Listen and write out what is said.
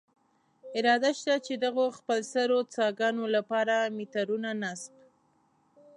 اراده شته، چې دغو خپلسرو څاګانو له پاره میټرونه نصب.